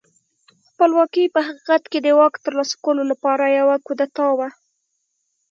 خپلواکي په حقیقت کې د واک ترلاسه کولو لپاره یوه کودتا وه.